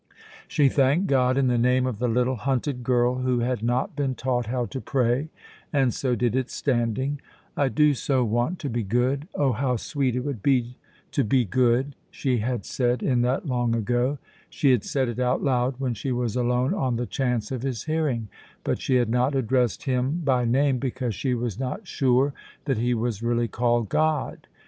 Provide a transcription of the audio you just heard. She thanked God, in the name of the little hunted girl who had not been taught how to pray, and so did it standing. "I do so want to be good; oh, how sweet it would be to be good!" she had said in that long ago. She had said it out loud when she was alone on the chance of His hearing, but she had not addressed Him by name because she was not sure that he was really called God.